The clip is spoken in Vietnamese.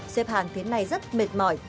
xếp hàng thế này rất mệt mỏi